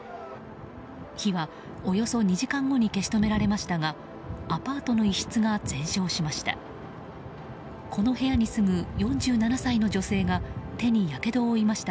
火はおよそ２時間後に消し止められましたがアパートの一室が全焼しました。